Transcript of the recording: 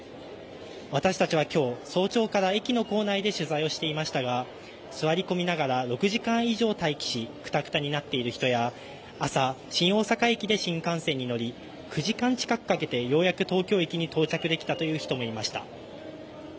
私たちは今日、早朝から駅の構内で取材していましたが座り込みながら６時間以上待機しくたくたになっている人や朝、新大阪駅で新幹線に乗り、９時間近くかけてようやく東京駅に到着できたという人もいました。